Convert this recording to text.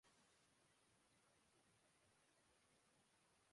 اس کو چیتا کے نام سے ہی سنتے آرہے ہیں